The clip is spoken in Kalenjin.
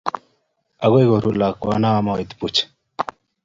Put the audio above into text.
Aikwe, koru lakwana moet puch.